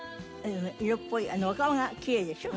色っぽいお顔がきれいでしょ。